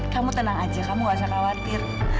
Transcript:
kamu tenang aja kamu gak usah khawatir